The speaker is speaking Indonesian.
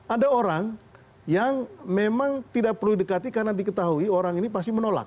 ada orang yang memang tidak perlu didekati karena diketahui orang ini pasti menolak